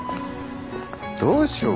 どうしよう？